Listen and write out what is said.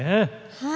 はい。